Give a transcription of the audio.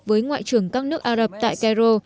với ngoại trưởng các nước ả rập tại cairo